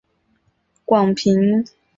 广平酂人。